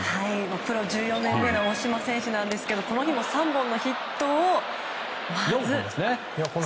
プロ１４年目の大島選手なんですがこの日も３本のヒットを。